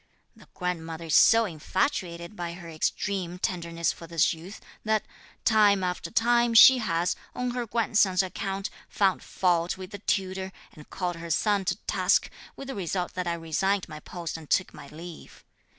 "The grandmother is so infatuated by her extreme tenderness for this youth, that, time after time, she has, on her grandson's account, found fault with the tutor, and called her son to task, with the result that I resigned my post and took my leave.